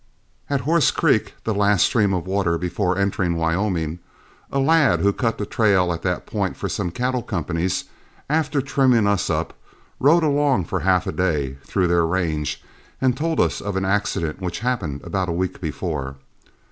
At Horse Creek, the last stream of water before entering Wyoming, a lad who cut the trail at that point for some cattle companies, after trimming us up, rode along for half a day through their range, and told us of an accident which happened about a week before.